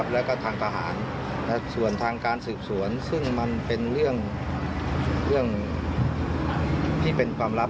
แล้วก็ทางทหารส่วนทางการสืบสวนซึ่งมันเป็นเรื่องที่เป็นความลับ